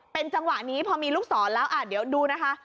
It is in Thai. เป็นจังหวะนี้พอมีลูกศรแล้วเดี๋ยวดูนะคะ